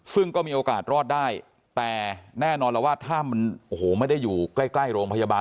ซึ่งก็มีโอกาสรอดได้แต่แน่นอนแล้วว่าถ้ามันโอ้โหไม่ได้อยู่ใกล้ใกล้โรงพยาบาล